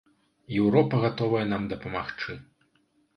Еўропа гатовая нам дапамагчы.